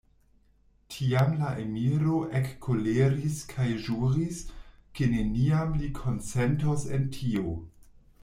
Tiam la emiro ekkoleris kaj ĵuris, ke neniam li konsentos en tio.